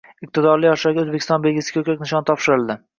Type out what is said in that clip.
Iqtidorli yoshlarga “Oʻzbekiston belgisi” koʻkrak nishoni topshirildi